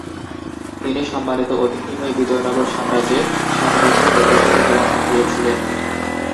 তিনি সম্মানিত অতিথি হয়ে বিজয়নগর সাম্রাজ্যে সাত বছর নির্বাসিত জীবন কাটিয়েছিলেন।